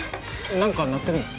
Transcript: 何か鳴ってるの？